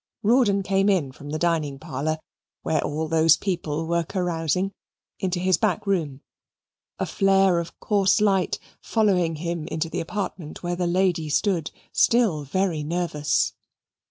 Rawdon came in from the dining parlour where all those people were carousing, into his back room; a flare of coarse light following him into the apartment where the lady stood, still very nervous.